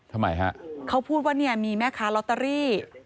ทำไมฮะเขาพูดว่าเนี่ยมีแม่ค้าลอตเตอรี่